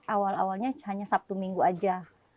awal awalnya hanya sabtu minggu aja